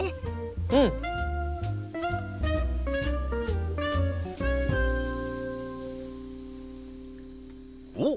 うん！おっ！